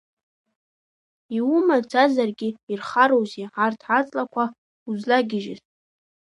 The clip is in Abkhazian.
Иумаӡазаргьы ирхароузеи, арҭ аҵлақәа узлагьежьыз?